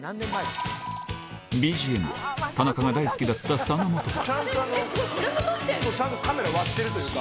ＢＧＭは、田中が大好きだった佐野元春。